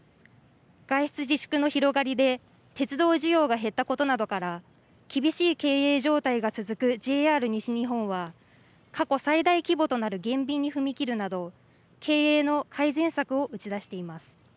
外出自粛の広がりで、鉄道需要が減ったことなどから厳しい経営状態が続くＪＲ西日本は、過去最大規模となる減便に踏み切るなど、経営の改善策を打ち出しています。